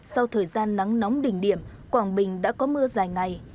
sau thời gian nắng nóng đỉnh điểm quảng bình đã có mưa dài ngày